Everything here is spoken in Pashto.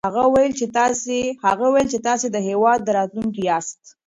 هغه وويل چې تاسې د هېواد راتلونکی ياست.